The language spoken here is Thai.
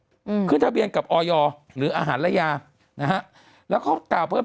อืมขึ้นทะเบียนกับออยหรืออาหารระยานะฮะแล้วเขากล่าวเพิ่ม